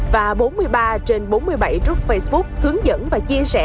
và bốn mươi ba trên bốn mươi bảy group facebook hướng dẫn và chia sẻ